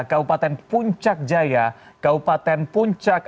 kabupaten puncak jaya kabupaten puncak